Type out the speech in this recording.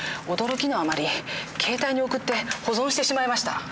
驚きのあまり携帯に送って保存してしまいました。